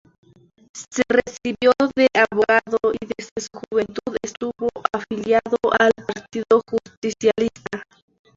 Se recibió de abogado y desde su juventud estuvo afiliado al Partido Justicialista.